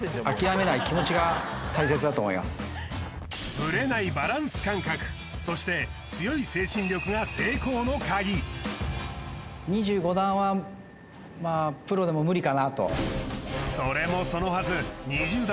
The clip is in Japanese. ブレないバランス感覚そして強い精神力が成功のカギかなとそれもそのはず２０段